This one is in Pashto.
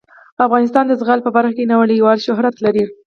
افغانستان د زغال په برخه کې نړیوال شهرت لري.